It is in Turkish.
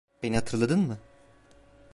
Beni hatırladın mı?